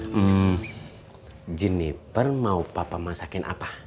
hmm jenniper mau papa masakin apa